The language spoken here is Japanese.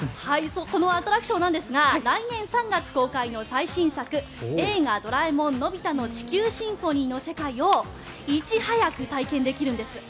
このアトラクションなんですが来年３月公開の最新作「映画ドラえもんのび太の地球交響楽」の世界をいち早く体験できるんです。